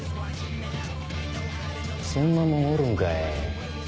そんなもんおるんかい。